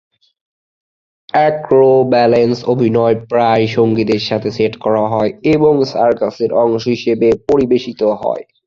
Acrobalance অভিনয় প্রায়ই সঙ্গীতের সাথে সেট করা হয় এবং সার্কাসের অংশ হিসাবে পরিবেশিত হয়।